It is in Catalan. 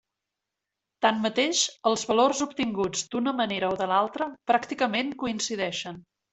Tanmateix els valors obtinguts d'una manera o de l'altra pràcticament coincideixen.